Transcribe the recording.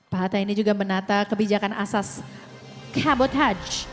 pak hatta ini juga menata kebijakan asas kabot hach